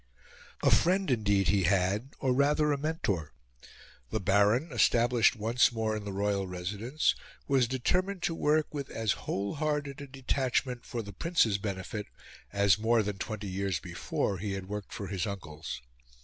A friend, indeed, he had or rather, a mentor. The Baron, established once more in the royal residence, was determined to work with as wholehearted a detachment for the Prince's benefit as, more than twenty years before, he had worked for his uncle's.